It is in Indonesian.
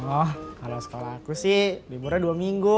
oh kalau sekolah aku sih liburnya dua minggu